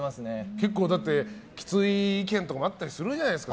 結構きつい意見とかもあったりするんじゃないですか。